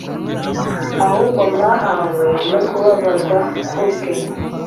ahubwo mwahawe no kubabazwa ku bwe: